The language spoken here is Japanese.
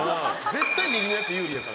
絶対右のヤツ有利やから。